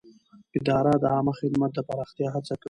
اداره د عامه خدمت د پراختیا هڅه کوي.